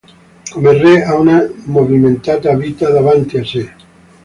Come re ha una movimentata vita davanti a sé.